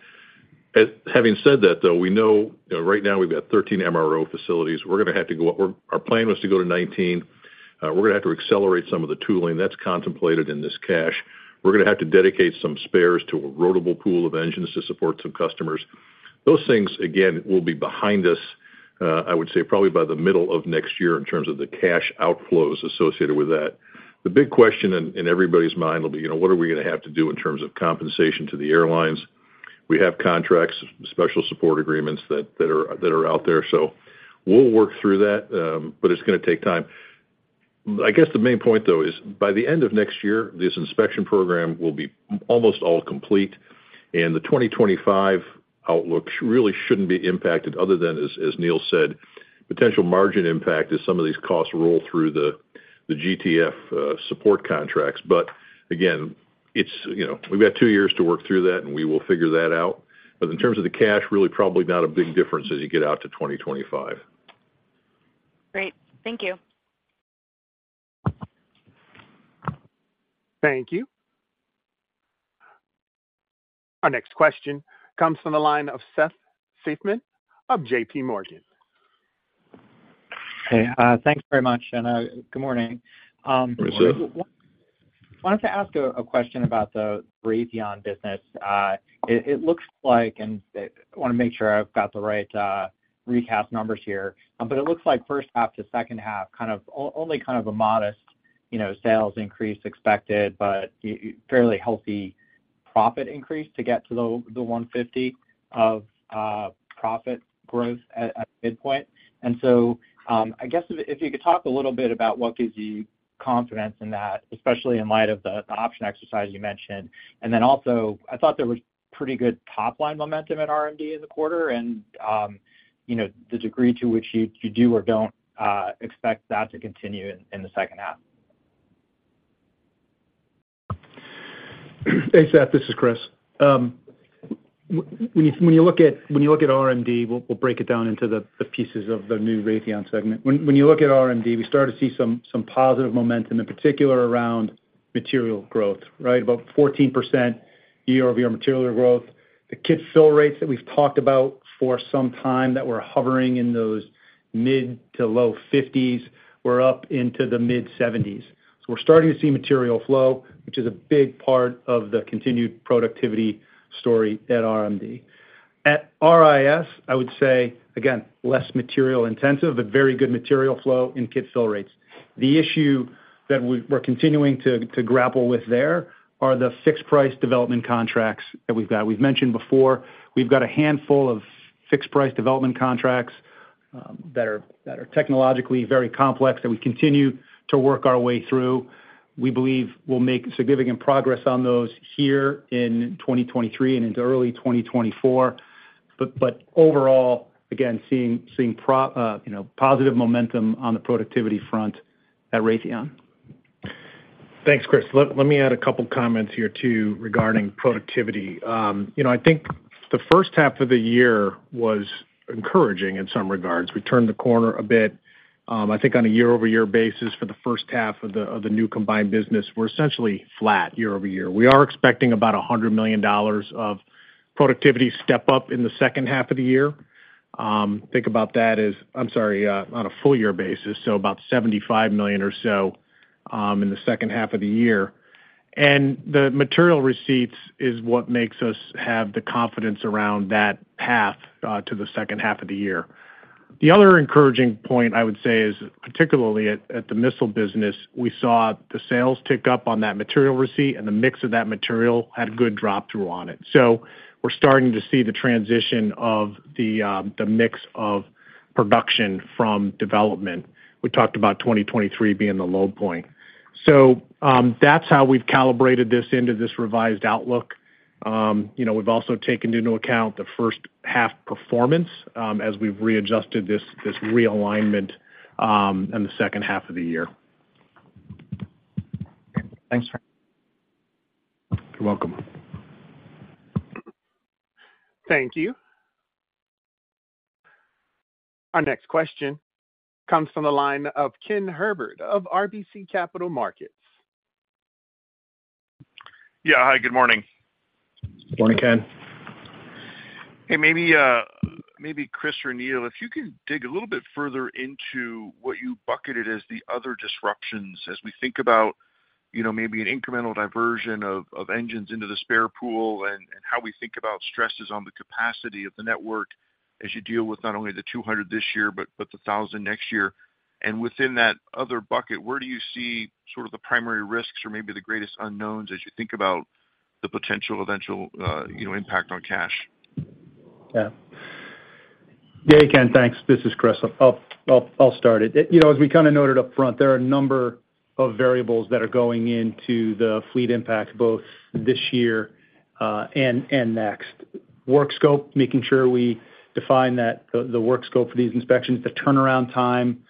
Having said that, though, we know, you know, right now we've got 13 MRO facilities. Our plan was to go to 19. We're gonna have to accelerate some of the tooling that's contemplated in this cash. We're gonna have to dedicate some spares to a rotable pool of engines to support some customers. Those things, again, will be behind us, I would say, probably by the middle of next year in terms of the cash outflows associated with that. The big question in everybody's mind will be, you know, what are we gonna have to do in terms of compensation to the airlines? We have contracts, special support agreements that are out there. We'll work through that, but it's gonna take time. I guess the main point, though, is by the end of next year, this inspection program will be almost all complete, and the 2025 outlook really shouldn't be impacted other than, as Neil said, potential margin impact as some of these costs roll through the GTF support contracts. Again, it's. You know, we've got two years to work through that. We will figure that out. In terms of the cash, really, probably not a big difference as you get out to 2025. Great. Thank you. Thank you. Our next question comes from the line of Seth Seifman of JP Morgan. Hey, thanks very much, and, good morning. Good morning, Seth. Wanted to ask a question about the Raytheon business. It looks like, and I want to make sure I've got the right recast numbers here, but it looks like first half to second half, kind of only kind of a modest, you know, sales increase expected, but fairly healthy profit increase to get to the 150 of profit growth at midpoint. I guess if you could talk a little bit about what gives you confidence in that, especially in light of the option exercise you mentioned. Also, I thought there was pretty good top-line momentum at RMD in the quarter and, you know, the degree to which you do or don't expect that to continue in the second half. Hey, Seth, this is Chris. When you look at RMD, we'll break it down into the pieces of the new Raytheon segment. When you look at RMD, we start to see some positive momentum, in particular around material growth, right? About 14% year-over-year material growth. The kit fill rates that we've talked about for some time, that were hovering in those mid to low 50s, we're up into the mid 70s. We're starting to see material flow, which is a big part of the continued productivity story at RMD. At RIS, I would say, again, less material intensive, but very good material flow in kit fill rates. The issue that we're continuing to grapple with there are the fixed price development contracts that we've got. We've mentioned before, we've got a handful of fixed price development contracts, that are technologically very complex, that we continue to work our way through. We believe we'll make significant progress on those here in 2023 and into early 2024. Overall, again, seeing pro, you know, positive momentum on the productivity front at Raytheon. Thanks, Chris. Let me add a couple comments here, too, regarding productivity. You know, I think the first half of the year was encouraging in some regards. We turned the corner a bit. I think on a year-over-year basis for the first half of the, of the new combined business, we're essentially flat year-over-year. We are expecting about $100 million of productivity step up in the second half of the year. Think about that as... I'm sorry, on a full year basis, so about $75 million or so in the second half of the year. The material receipts is what makes us have the confidence around that path to the second half of the year. The other encouraging point, I would say, is particularly at the missile business, we saw the sales tick up on that material receipt, and the mix of that material had good drop through on it. We're starting to see the transition of the mix of production from development. We talked about 2023 being the low point. That's how we've calibrated this into this revised outlook. You know, we've also taken into account the first half performance as we've readjusted this realignment in the second half of the year. Thanks, Frank. You're welcome. Thank you. Our next question comes from the line of Ken Herbert of RBC Capital Markets. Yeah, hi, good morning. Morning, Ken. Hey, maybe Chris or Neil, if you can dig a little bit further into what you bucketed as the other disruptions as we think about, you know, maybe an incremental diversion of engines into the spare pool, and how we think about stresses on the capacity of the network as you deal with not only the 200 this year, but the 1,000 next year? Within that other bucket, where do you see sort of the primary risks or maybe the greatest unknowns as you think about the potential eventual, you know, impact on cash? Yeah. Yeah, Ken, thanks. This is Chris. I'll start it. You know, as we kind of noted up front, there are a number of variables that are going into the fleet impact, both this year and next. Work scope, making sure we define that, the work scope for these inspections, the turnaround time,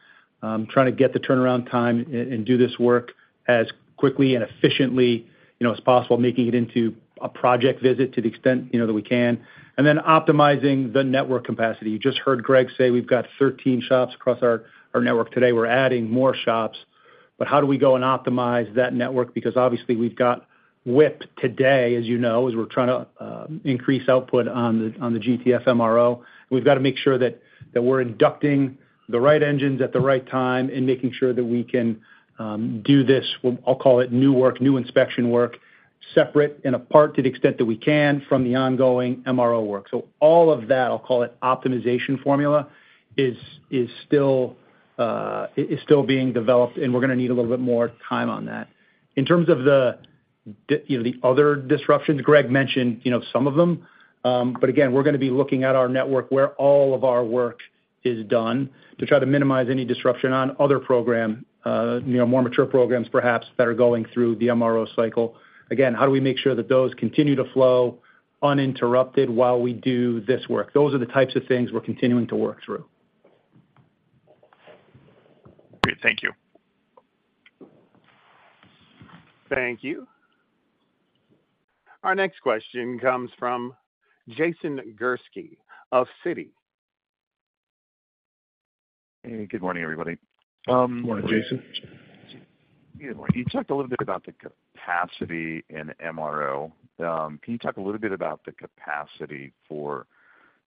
trying to get the turnaround time and do this work as quickly and efficiently, you know, as possible, making it into a project visit to the extent, you know, that we can. Optimizing the network capacity. You just heard Greg say we've got 13 shops across our network today. We're adding more shops. How do we go and optimize that network? Obviously we've got whip today, as you know, as we're trying to increase output on the GTF MRO. We've got to make sure that we're inducting the right engines at the right time and making sure that we can do this, I'll call it new work, new inspection work, separate and apart to the extent that we can from the ongoing MRO work. All of that, I'll call it optimization formula, is still being developed, and we're gonna need a little bit more time on that. In terms of the you know, the other disruptions, Greg mentioned, you know, some of them, but again, we're gonna be looking at our network where all of our work is done, to try to minimize any disruption on other program, you know, more mature programs perhaps, that are going through the MRO cycle. Again, how do we make sure that those continue to flow uninterrupted while we do this work? Those are the types of things we're continuing to work through. Great. Thank you. Thank you. Our next question comes from Jason Gursky of Citi. Hey, good morning, everybody. Good morning, Jason. You talked a little bit about the capacity in MRO. Can you talk a little bit about the capacity for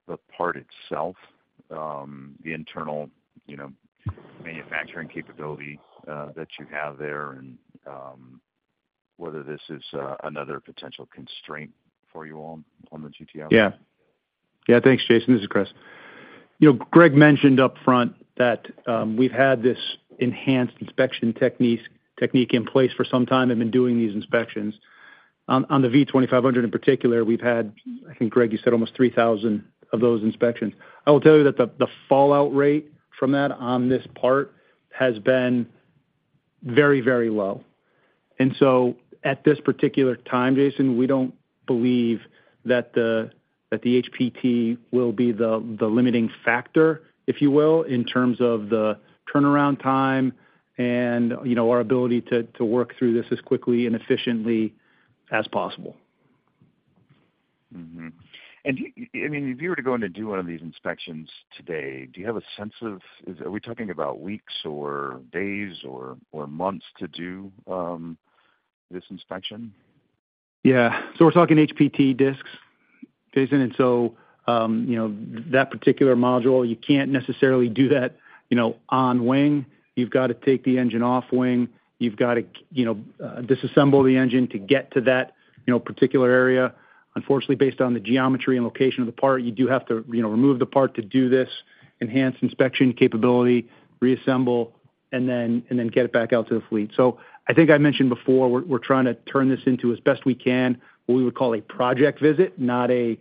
the part itself, the internal, you know, manufacturing capability, that you have there, and whether this is another potential constraint for you all on the GTF? Thanks, Jason. This is Chris. You know, Greg mentioned upfront that we've had this enhanced inspection technique in place for some time and been doing these inspections. On the V2500 in particular, we've had, I think, Greg, you said almost 3,000 of those inspections. I will tell you that the fallout rate from that on this part has been very, very low. So at this particular time, Jason, we don't believe that the, that the HPT will be the limiting factor, if you will, in terms of the turnaround time and, you know, our ability to work through this as quickly and efficiently as possible. Mm-hmm. I mean, if you were to go in and do one of these inspections today, do you have a sense of? Are we talking about weeks or days or months to do this inspection? Yeah. We're talking HPT disks, Jason, and so, you know, that particular module, you can't necessarily do that, you know, on wing. You've got to take the engine off wing. You've got to you know, disassemble the engine to get to that, you know, particular area. Unfortunately, based on the geometry and location of the part, you do have to, you know, remove the part to do this enhanced inspection capability, reassemble, and then get it back out to the fleet. I think I mentioned before, we're trying to turn this into as best we can, what we would call a project visit, not a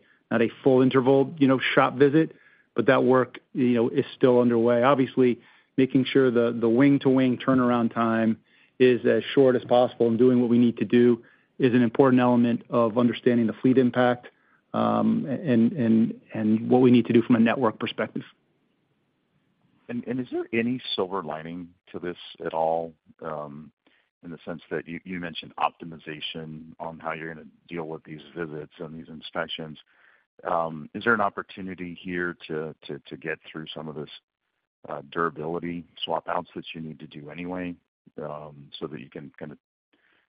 full interval, you know, shop visit, but that work, you know, is still underway. Obviously, making sure the wing-to-wing turnaround time is as short as possible and doing what we need to do, is an important element of understanding the fleet impact, and what we need to do from a network perspective. Is there any silver lining to this at all, in the sense that you mentioned optimization on how you're gonna deal with these visits and these inspections. Is there an opportunity here to get through some of this durability swap outs that you need to do anyway, so that you can kind of,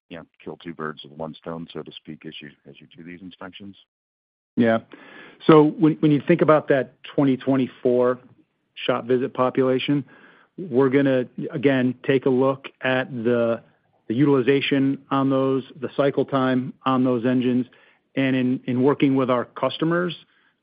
you know, kill two birds with one stone, so to speak, as you do these inspections? Yeah. When you think about that 2024 shop visit population, we're gonna, again, take a look at the utilization on those, the cycle time on those engines, and in working with our customers,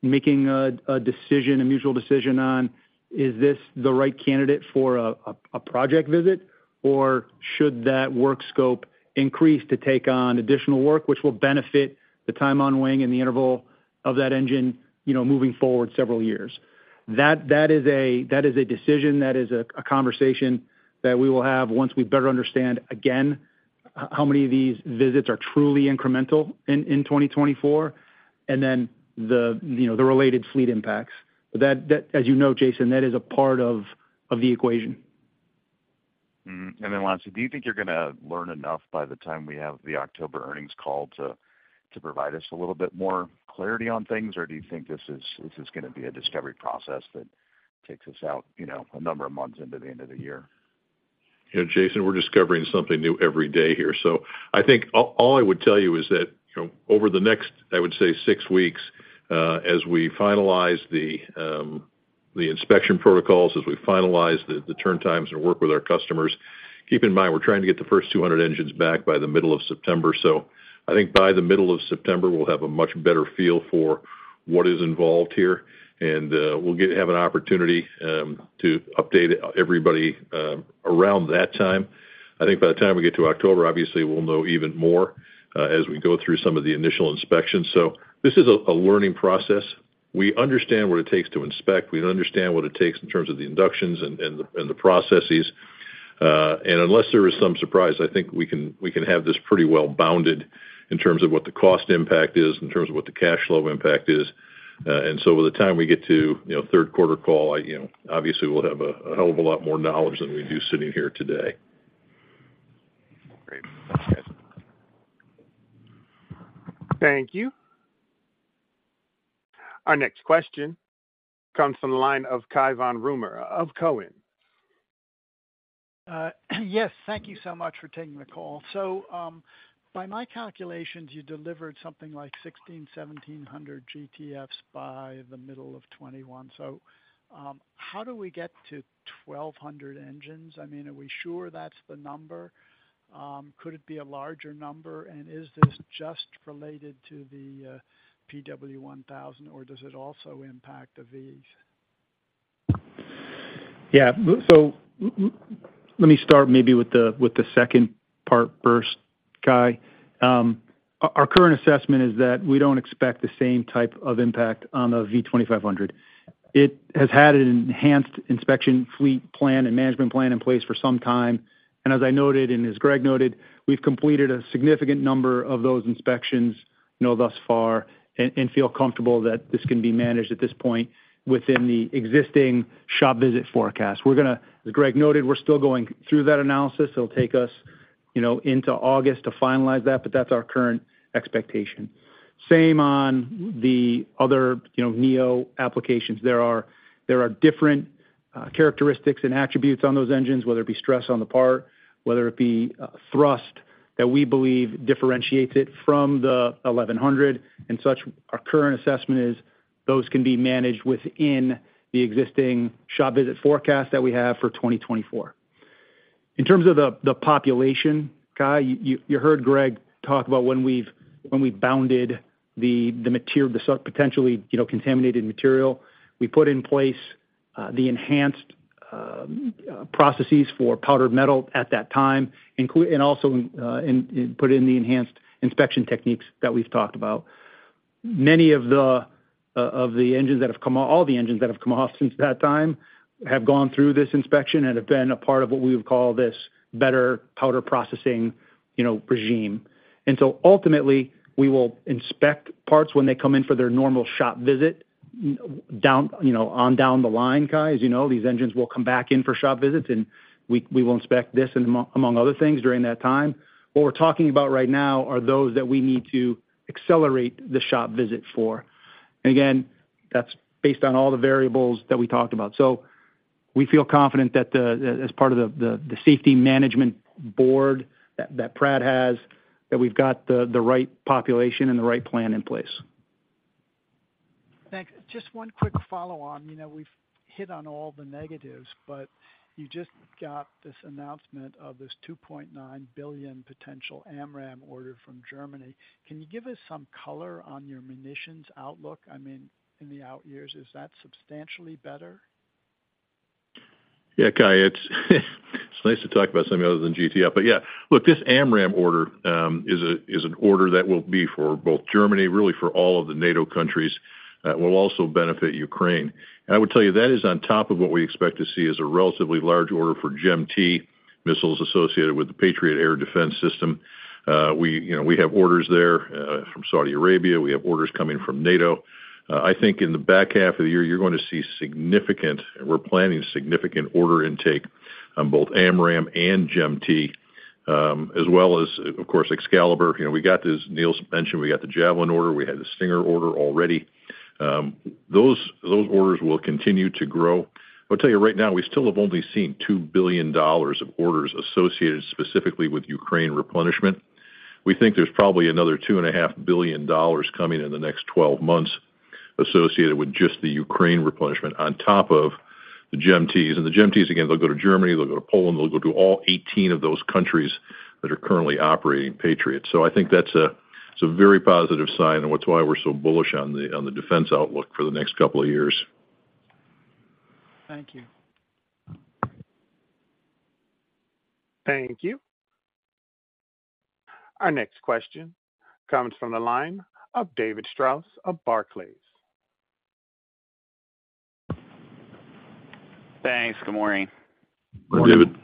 making a decision, a mutual decision on, is this the right candidate for a project visit, or should that work scope increase to take on additional work, which will benefit the time on wing and the interval of that engine, you know, moving forward several years? That is a decision, that is a conversation that we will have once we better understand, again, how many of these visits are truly incremental in 2024, and then the, you know, the related fleet impacts. That, as you know, Jason, that is a part of the equation. Lon, do you think you're gonna learn enough by the time we have the October earnings call to provide us a little bit more clarity on things? Do you think this is gonna be a discovery process that takes us out, you know, a number of months into the end of the year? You know, Jason, we're discovering something new every day here. I think all I would tell you is that, you know, over the next, I would say six weeks, as we finalize the inspection protocols, as we finalize the turn times and work with our customers, keep in mind, we're trying to get the first 200 engines back by the middle of September. I think by the middle of September, we'll have a much better feel for what is involved here, and we'll have an opportunity to update everybody around that time. I think by the time we get to October, obviously, we'll know even more, as we go through some of the initial inspections. This is a learning process. We understand what it takes to inspect. We understand what it takes in terms of the inductions and the processes. Unless there is some surprise, I think we can have this pretty well-bounded in terms of what the cost impact is, in terms of what the cash flow impact is. By the time we get to, you know, third quarter call, you know, obviously, we'll have a hell of a lot more knowledge than we do sitting here today. Great. Thanks, guys. Thank you. Our next question comes from the line of Cai von Rumohr of Cowen. Yes, thank you so much for taking the call. By my calculations, you delivered something like 1,600-1,700 GTFs by the middle of 2021. How do we get to 1,200 engines? I mean, are we sure that's the number? Could it be a larger number? Is this just related to the PW1000G, or does it also impact the Vs? Yeah. Let me start maybe with the, with the second part first, Cai. Our current assessment is that we don't expect the same type of impact on the V2500. It has had an enhanced inspection fleet plan and management plan in place for some time, and as I noted, and as Greg noted, we've completed a significant number of those inspections, you know, thus far, and feel comfortable that this can be managed at this point within the existing shop visit forecast. As Greg noted, we're still going through that analysis. It'll take us, you know, into August to finalize that, but that's our current expectation. Same on the other, you know, neo applications. There are different characteristics and attributes on those engines, whether it be stress on the part, whether it be thrust, that we believe differentiates it from the 1100 and such. Our current assessment is those can be managed within the existing shop visit forecast that we have for 2024. In terms of the population, Cai, you heard Greg talk about when we bounded the material, the potentially, you know, contaminated material. We put in place the enhanced processes for powder metal at that time, and also, and put in the enhanced inspection techniques that we've talked about. Many of the engines that have come off since that time, have gone through this inspection and have been a part of what we would call this better powder processing, you know, regime. Ultimately, we will inspect parts when they come in for their normal shop visit, down, you know, on down the line, Cai. As you know, these engines will come back in for shop visits, and we will inspect this and among other things during that time. What we're talking about right now are those that we need to accelerate the shop visit for. Again, that's based on all the variables that we talked about. We feel confident that the, as part of the safety management board that Pratt has, that we've got the right population and the right plan in place. Thanks. Just one quick follow-on. You know, we've hit on all the negatives, but you just got this announcement of this $2.9 billion potential AMRAAM order from Germany. Can you give us some color on your munitions outlook? I mean, in the out years, is that substantially better? Yeah, Cai, it's nice to talk about something other than GTF, yeah. Look, this AMRAAM order is an order that will be for both Germany, really for all of the NATO countries, will also benefit Ukraine. I would tell you, that is on top of what we expect to see as a relatively large order for GEM-T missiles associated with the Patriot air defense system. We, you know, we have orders there from Saudi Arabia, we have orders coming from NATO. I think in the back half of the year, you're going to see We're planning significant order intake on both AMRAAM and GEM-T, as well as, of course, Excalibur. You know, we got this, Neil mentioned we got the Javelin order, we had the Stinger order already. Those orders will continue to grow. I'll tell you right now, we still have only seen $2 billion of orders associated specifically with Ukraine replenishment. We think there's probably another $2.5 billion coming in the next 12 months associated with just the Ukraine replenishment on top of the GEM-Ts. The GEM-Ts, again, they'll go to Germany, they'll go to Poland, they'll go to all 18 of those countries that are currently operating Patriots. I think that's a, it's a very positive sign, and that's why we're so bullish on the, on the defense outlook for the next couple of years. Thank you. Thank you. Our next question comes from the line of David Strauss of Barclays. Thanks. Good morning. Good morning, David.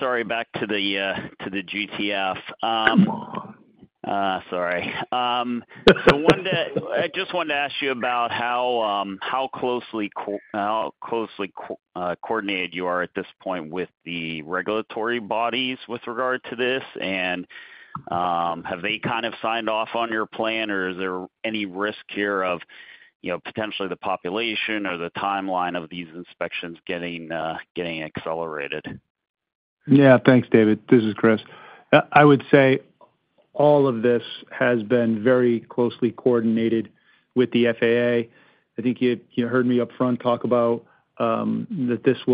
Sorry, back to the GTF. Sorry. One day, I just wanted to ask you about how closely coordinated you are at this point with the regulatory bodies with regard to this, and have they kind of signed off on your plan, or is there any risk here of, you know, potentially the population or the timeline of these inspections getting accelerated? Yeah. Thanks, David. This is Chris. I would say all of this has been very closely coordinated with the FAA. I think you heard me upfront talk about that this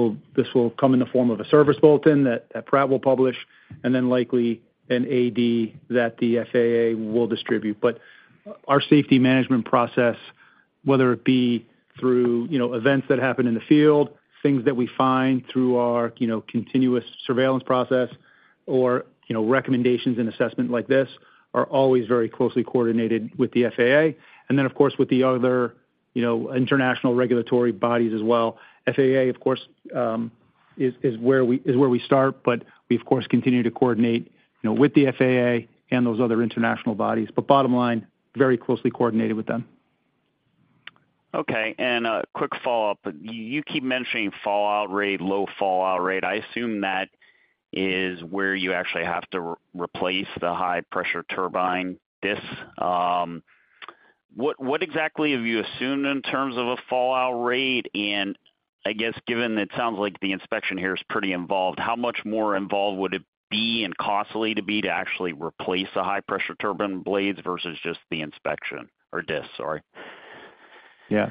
will come in the form of a service bulletin that Pratt will publish, and then likely an AD that the FAA will distribute. Our safety management process, whether it be through, you know, events that happen in the field, things that we find through our, you know, continuous surveillance process or, you know, recommendations and assessment like this, are always very closely coordinated with the FAA. Of course, with the other, you know, international regulatory bodies as well. FAA, of course, is where we start. We of course, continue to coordinate, you know, with the FAA and those other international bodies. Bottom line, very closely coordinated with them. Okay. A quick follow-up. You keep mentioning fallout rate, low fallout rate. I assume that is where you actually have to re-replace the high-pressure turbine disc. What exactly have you assumed in terms of a fallout rate? I guess, given it sounds like the inspection here is pretty involved, how much more involved would it be and costly to actually replace the high-pressure turbine blades versus just the inspection or disc? Sorry. Yeah.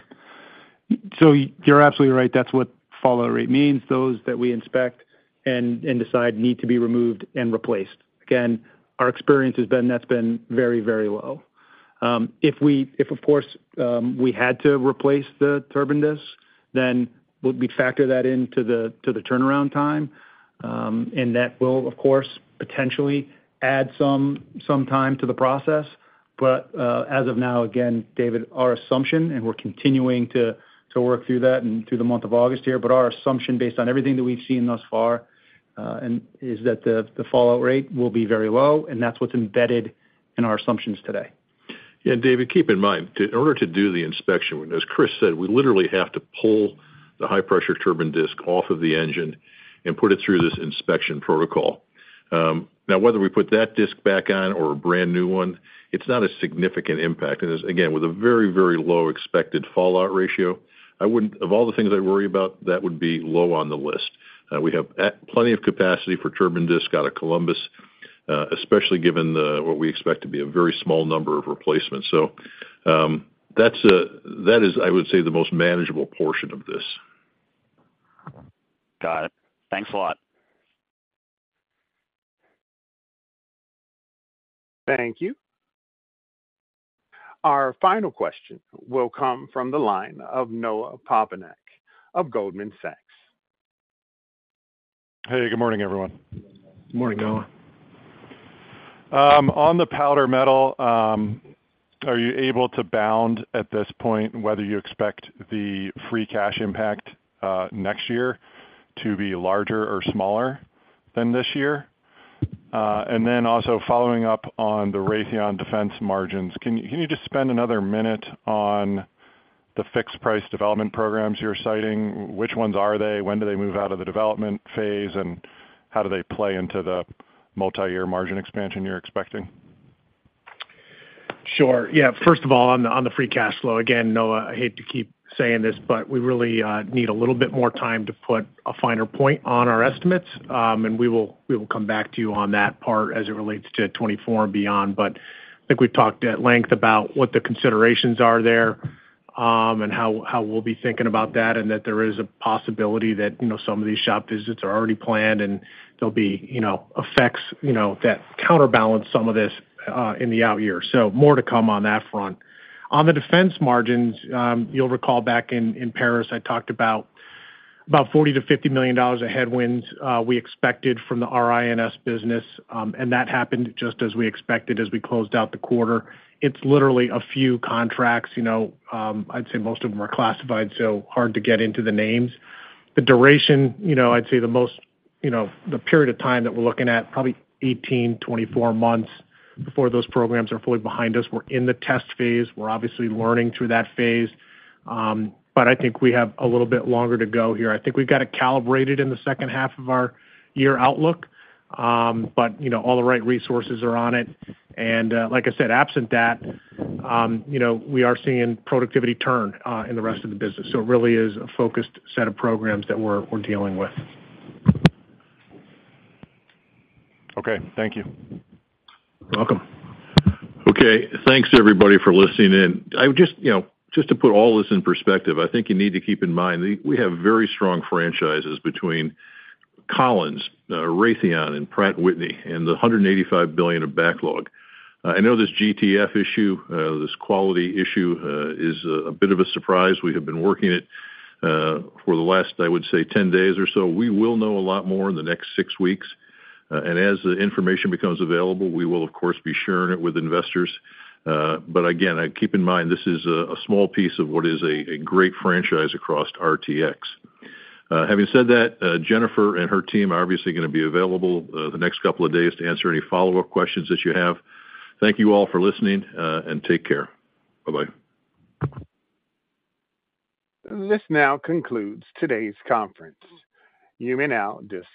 You're absolutely right, that's what fallout rate means. Those that we inspect and decide need to be removed and replaced. Again, our experience has been, that's been very low. If of course, we had to replace the turbine disk, then we'd factor that into the turnaround time. That will, of course, potentially add some time to the process. As of now, again, David, our assumption, and we're continuing to work through that and through the month of August here, but our assumption, based on everything that we've seen thus far, and is that the fallout rate will be very low, and that's what's embedded in our assumptions today. Yeah, David, keep in mind, in order to do the inspection, as Chris said, we literally have to pull the high-pressure turbine disc off of the engine and put it through this inspection protocol. Now, whether we put that disc back on or a brand-new one, it's not a significant impact. Again, with a very, very low expected fallout ratio, of all the things I'd worry about, that would be low on the list. We have at plenty of capacity for turbine discs out of Columbus, especially given what we expect to be a very small number of replacements. That's, that is, I would say, the most manageable portion of this. Got it. Thanks a lot. Thank you. Our final question will come from the line of Noah Poponak of Goldman Sachs. Hey, good morning, everyone. Morning, Noah. On the powder metal, are you able to bound at this point, whether you expect the free cash impact, next year to be larger or smaller than this year? Also following up on the Raytheon defense margins, can you just spend another minute on the fixed price development programs you're citing? Which ones are they? When do they move out of the development phase, and how do they play into the multi-year margin expansion you're expecting? Sure. Yeah. First of all, on the free cash flow, again, Noah, I hate to keep saying this, but we really need a little bit more time to put a finer point on our estimates. We will come back to you on that part as it relates to 2024 and beyond. I think we've talked at length about what the considerations are there, and how we'll be thinking about that, and that there is a possibility that, you know, some of these shop visits are already planned, and there'll be, you know, effects, you know, that counterbalance some of this in the out years. More to come on that front. On the defense margins, you'll recall back in Paris, I talked about $40 million-$50 million of headwinds we expected from the RIS business. That happened just as we expected, as we closed out the quarter. It's literally a few contracts, you know. I'd say most of them are classified, so hard to get into the names. The duration, you know, I'd say the most, you know, the period of time that we're looking at, probably 18-24 months before those programs are fully behind us. We're in the test phase. We're obviously learning through that phase, but I think we have a little bit longer to go here. I think we've got it calibrated in the second half of our year outlook, but, you know, all the right resources are on it. Like I said, absent that, you know, we are seeing productivity turn in the rest of the business. It really is a focused set of programs that we're dealing with. Okay, thank you. Welcome. Okay. Thanks, everybody, for listening in. I would just, to put all this in perspective, I think you need to keep in mind, we have very strong franchises between Collins, Raytheon and Pratt & Whitney, and the $185 billion of backlog. I know this GTF issue, this quality issue, is a bit of a surprise. We have been working it for the last, I would say, 10 days or so. We will know a lot more in the next 6 weeks. As the information becomes available, we will, of course, be sharing it with investors. Again, keep in mind, this is a small piece of what is a great franchise across RTX. Having said that, Jennifer and her team are obviously going to be available the next couple of days to answer any follow-up questions that you have. Thank you all for listening, and take care. Bye-bye. This now concludes today's conference. You may now disconnect.